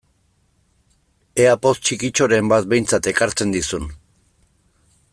Ea poz txikitxoren bat behintzat ekartzen dizun!